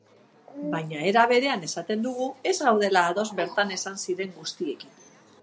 Baina era berean esaten dugu, ez gaudela ados bertan esan ziren guztiekin.